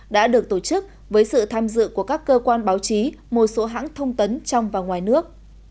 đã được tổ chức với sự tham dự của các cơ quan báo chí một số hãng thông tấn trong và ngoài nước